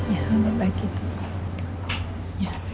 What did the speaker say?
ya agak baik gitu